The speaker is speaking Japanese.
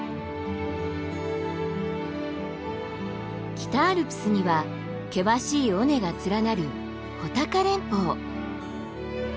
北アルプスには険しい尾根が連なる穂高連峰。